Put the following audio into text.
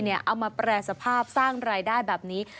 เอามาแปรสภาพสร้างรายได้แบบนี้